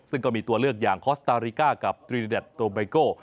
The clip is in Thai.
ซึ่งก็มีตัวเลือกอย่างคอสตาริกากับตรีริเด็ดโตไบโก